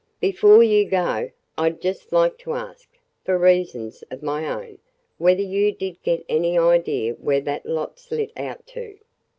"Before you go, I 'd just like to ask – for reasons of my own – whether you did get any idee where that lot 's lit out to?